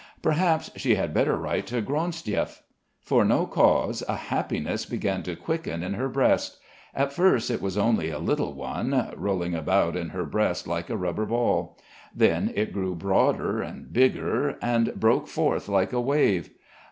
Perhaps she had better write to Gronsdiev? For no cause, a happiness began to quicken in her breast. At first it was a little one, rolling about in her breast like a rubber ball. Then it grew broader and bigger, and broke forth like a wave.